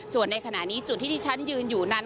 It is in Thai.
ส่วนในขณะนี้จุดที่ที่ฉันยืนอยู่นั้น